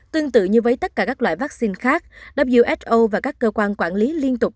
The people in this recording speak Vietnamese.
tương tự như với tất cả các loại vaccine khác wso và các cơ quan quản lý liên tục